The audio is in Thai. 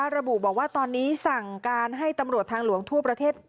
ระบุบอกว่าตอนนี้สั่งการให้ตำรวจทางหลวงทั่วประเทศ